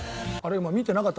今見てなかった。